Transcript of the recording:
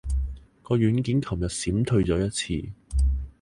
個軟件尋日閃退咗一次